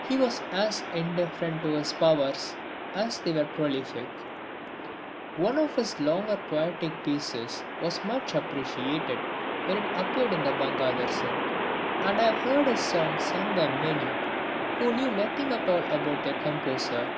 He was as indifferent to his powers as they were prolific. One of his longer poetic pieces was much appreciated when it appeared in the Bangadarsan, and I have heard his songs sung by many who knew nothing at all about their composer.